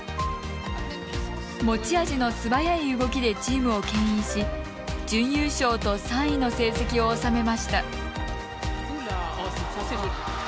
持ち味の素早い動きでチームをけん引し準優勝と３位の成績を収めました。